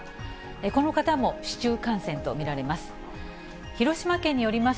この方も市中感染と見られます。